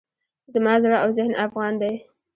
زما زړه او ذهن افغان دی.